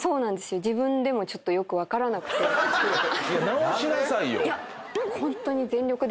直しなさいよ。